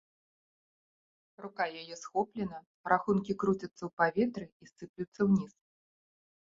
Рука яе схоплена, рахункі круцяцца ў паветры і сыплюцца ўніз.